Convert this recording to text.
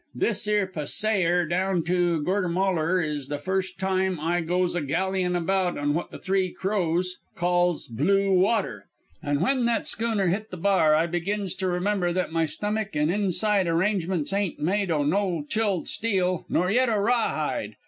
This 'ere pasear down to Gortamalar is the first time I goes a gallying about on what the Three Crows calls 'blue water'; and when that schooner hit the bar I begins to remember that my stummick and inside arrangements ain't made o' no chilled steel, nor yet o' rawhide.